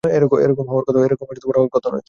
এ রকম হওয়ার কথা নয়।